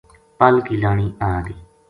پل کی لانی آگئی